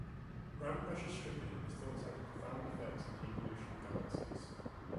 Ram pressure stripping is thought to have profound effects on the evolution of galaxies.